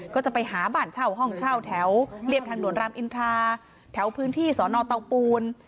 ก็จะไปหาบ้านเช่าห้องเช่าแถวเรียบทางด่วนรามอินทราแถวพื้นที่สอนอเตาปูน